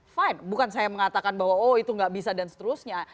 fine bukan saya mengatakan bahwa oh itu nggak bisa dan seterusnya